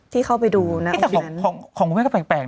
แต่ของคุณแม่ก็แปลก